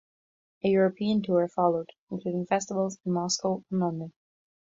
A European tour followed, including festivals in Moscow and London.